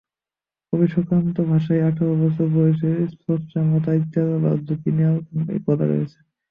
কবি সুকান্তর ভাষায়, আঠারো বছর বয়সে স্পর্ধায় মাথা তোলবার ঝুঁকি নেওয়ার কথা রয়েছে।